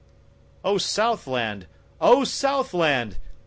O SOUTHLAND! O Southland!